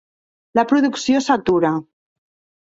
La producció s'atura.